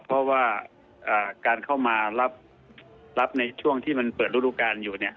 เพราะว่าอ่าการเข้ามารับรับในช่วงที่มันเปิดรูปการณ์อยู่เนี่ย